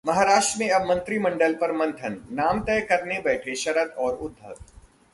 महाराष्ट्र में अब मंत्रिमंडल पर मंथन, नाम तय करने बैठे शरद और उद्धव